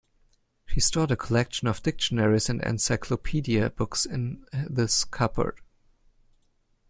She stored a collection of dictionaries and encyclopedia books in this cupboard.